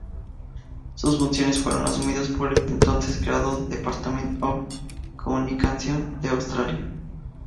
Sus funciones fueron asumidas por el entonces creado Department of Communications de Australia.